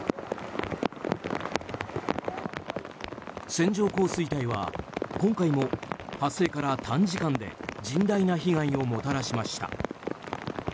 線状降水帯は今回も、発生から短時間で甚大な被害をもたらしました。